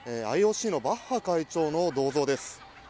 ＩＯＣのバッハ会長の銅像です。